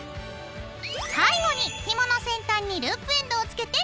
最後にひもの先端にループエンドをつけて。